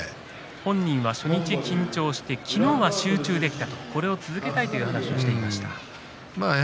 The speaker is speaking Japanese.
本人は、初日緊張して昨日は集中できたこれを続けたいと言っていました。